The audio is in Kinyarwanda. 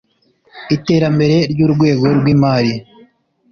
iterambere ry’urwego rw’imari